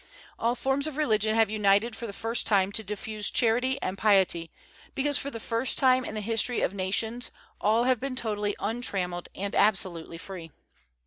All forms of religion have united for the first time to diffuse charity and piety, because for the first time in the history of nations all have been totally untrammeled and absolutely free.